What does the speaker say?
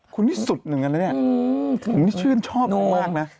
คุณนี่สุดหนึ่งอันนี้คุณนี่ชื่นชอบมากนะ